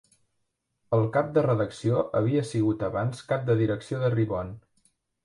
El cap de redacció havia sigut abans cap de direcció de "Ribon".